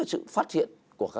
tôi đã tìm được